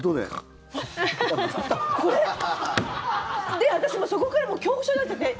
で、私、そこからもう恐怖症になっちゃって。